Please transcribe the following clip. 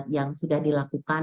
yang sudah dilakukan